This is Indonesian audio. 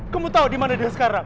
kamu tahu dimana dia sekarang